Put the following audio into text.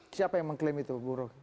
siapa yang mengklaim itu buruk